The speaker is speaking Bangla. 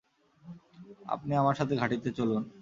আপনি আমার সাথে ঘাঁটিতে চলুন।